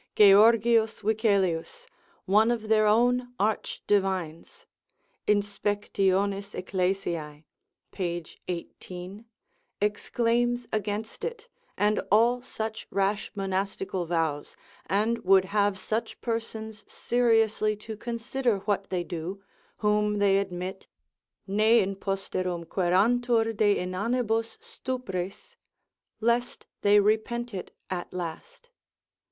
Georgius Wicelius, one of their own arch divines (Inspect. eccles. pag. 18) exclaims against it, and all such rash monastical vows, and would have such persons seriously to consider what they do, whom they admit, ne in posterum querantur de inanibus stupris, lest they repent it at last.